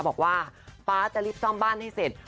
บอกว่าฟ้าจะรีบซ่อมบ้านให้เสร็จ